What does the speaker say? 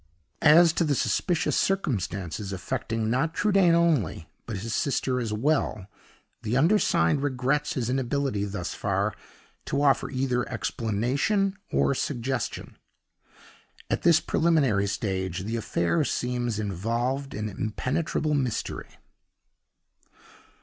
"As to the suspicious circumstances affecting not Trudaine only, but his sister as well, the undersigned regrets his inability, thus far, to offer either explanation or suggestion. At this preliminary stage, the affair seems involved in impenetrable mystery."